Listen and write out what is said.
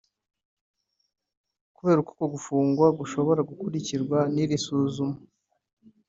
Kubera uko gufunga gushobora gukurikirwa n’iri suzuma